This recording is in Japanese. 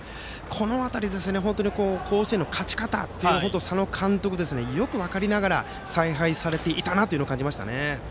この辺り、甲子園の勝ち方を佐野監督、よく分かりながら采配されていたなと感じました。